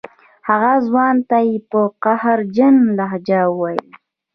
هغه ځوان ته یې په قهرجنه لهجه وویل.